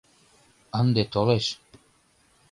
Ынде толеш